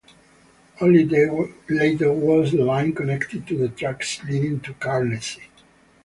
Only later was the line connected to the tracks leading to Canarsie.